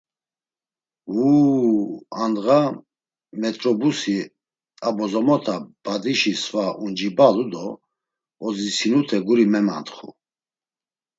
Vuu, andğa, metrobusi, a bozomota, badişi sva uncibalu do ozitsinute guri memantxu.